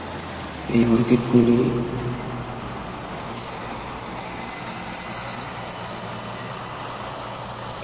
এই অর্কিডগুলি ইউলিমা বা ইউফ্রেসিয়া গণের পুরুষ মৌমাছি দ্বারা পরাগায়িত হয়।